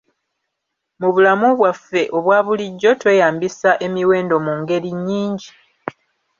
Mu bulamu bwaffe obwa bulijjo tweyambisa emiwendo mu ngeri nnyingi.